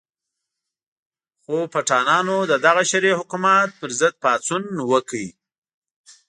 خو پټانانو د دغه شرعي حکومت په ضد پاڅون وکړ.